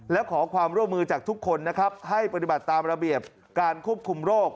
และขอความร่วมมือจากทุกคนนะครับให้ปฏิบัติตามระเบียบการควบคุมโรค